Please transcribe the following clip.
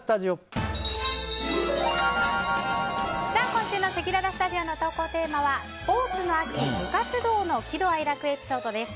今週のせきららスタジオの投稿テーマはスポーツの秋・部活動の喜怒哀楽エピソードです。